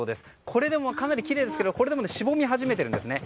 これでも、かなりきれいですがしぼみ始めているんですね。